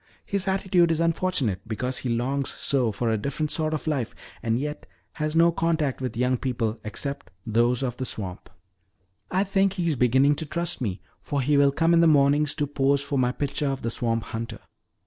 His attitude is unfortunate because he longs so for a different sort of life and yet has no contact with young people except those of the swamp. I think he is beginning to trust me, for he will come in the mornings to pose for my picture of the swamp hunter.